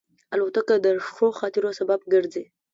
الوتکه د ښو خاطرو سبب ګرځي.